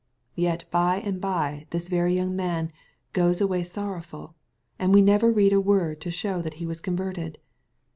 Yet by and bye this very young man " goes away sorrowful ;"— and we never read a word to show that he was converted